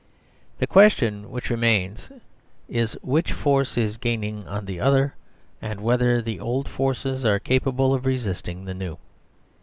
The question which remains is which force is gaining on the other, and whether the old forces are capable of resisting the new.